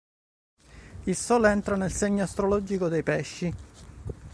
Il Sole entra nel segno astrologico dei Pesci.